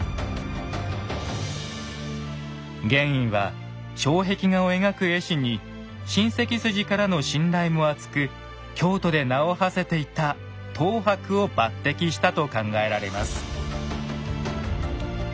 玄以は障壁画を描く絵師に親戚筋からの信頼も厚く京都で名をはせていた等伯を抜擢したと考えられます。